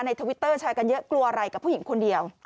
ทวิตเตอร์แชร์กันเยอะกลัวอะไรกับผู้หญิงคนเดียว